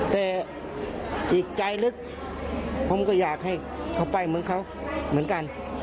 แต่อีกใจลึกผมก็อยากให้เขาไปเมืองเขาเหมือนกัน